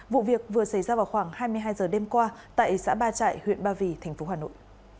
vụ việc vừa xảy ra vào khoảng hai mươi hai h đêm qua tại xã ba trại huyện ba vì tp hà nội